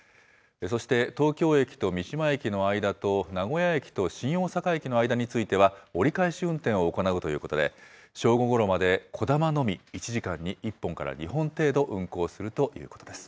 そして、東京駅と三島駅の間と、名古屋駅と新大阪駅の間については、折り返し運転を行うということで、正午ごろまでこだまのみ１時間に１本から２本程度、運行するということです。